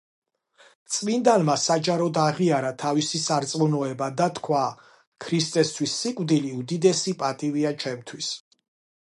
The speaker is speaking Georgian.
წმინდანმა საჯაროდ აღიარა თავისი სარწმუნოება და თქვა: „ქრისტესთვის სიკვდილი უდიდესი პატივია ჩემთვის“.